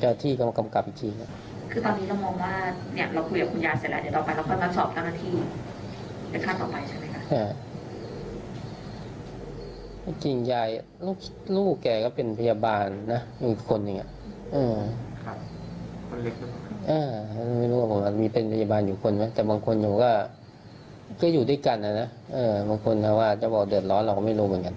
อยู่ด้วยกันนะบางคนจะบอกเดือดร้อนเราไม่รู้เหมือนกัน